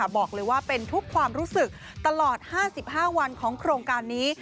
บอกเลยว่าเป็นทุกความรู้สึกตลอด๕๕วันของโครงการนี้